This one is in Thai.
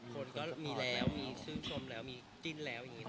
คนก็มีแล้ว